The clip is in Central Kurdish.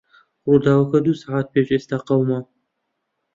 ڕووداوەکە دوو سەعات پێش ئێستا قەوما.